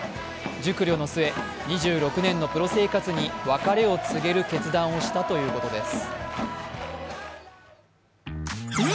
熟慮の末、２６年のプロ生活に別れを告げる決断をしたということです。